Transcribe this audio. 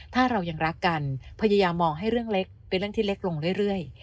ถ้าเรายังรักกันพยายามมองให้เรื่องเล็กเป็นเรื่องที่เล็กลงเรื่อย